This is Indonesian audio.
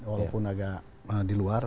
walaupun agak di luar